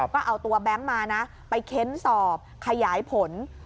ก็เอาตัวแบงค์มานะไปเค้นสอบขยายผล